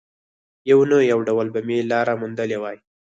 يو نه يو ډول به مې لاره موندلې وای.